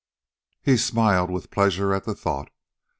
He smiled with pleasure at the thought.